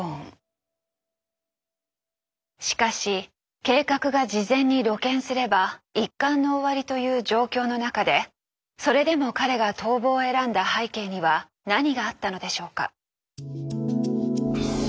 しかし計画が事前に露見すれば一巻の終わりという状況の中でそれでも彼が逃亡を選んだ背景には何があったのでしょうか？